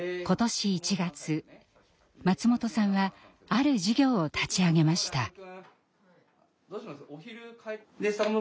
今年１月松本さんはある事業を立ち上げました。